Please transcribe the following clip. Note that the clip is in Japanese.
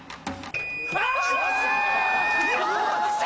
よっしゃ！